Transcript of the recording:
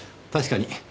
確かに。